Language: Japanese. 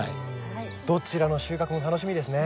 どちらの収穫も楽しみですね。